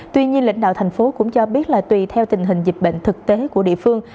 tuy nhiên lãnh đạo thành phố cũng cho biết là tùy theo tình hình dịch bệnh thực tế của địa phương